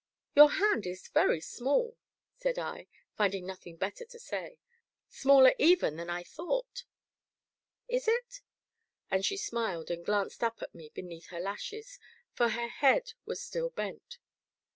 "Your hand is very small," said I, finding nothing better to say, "smaller even than I thought." "Is it?" and she smiled and glanced up at me beneath her lashes, for her head was still bent.